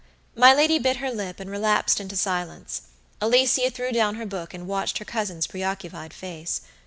My lady bit her lip, and relapsed into silence. Alicia threw down her book, and watched her cousin's preoccupied face.